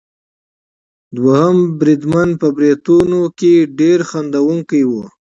دوهم بریدمن په بریتونو کې ډېر خندوونکی وو.